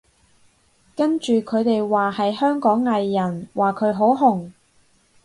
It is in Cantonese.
跟住佢哋話係香港藝人，話佢好紅